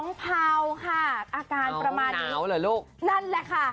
น้องเภาอาการประมาณนี้นาวหรือลูก